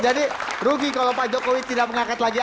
jadi rugi kalau pak jokowi tidak mengangkat lagi